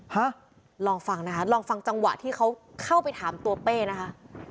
ฮะลองฟังนะคะลองฟังจังหวะที่เขาเข้าไปถามตัวเป้นะคะ